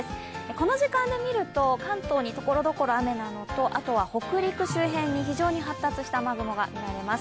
この時間で見ると関東にところどころ雨なのと北陸周辺に非常に発達した雨雲がみられます。